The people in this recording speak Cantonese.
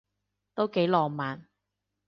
都幾浪漫